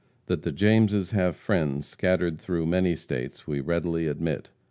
That the Jameses have friends scattered through many states we readily admit.